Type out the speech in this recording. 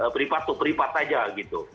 peripat peripat aja gitu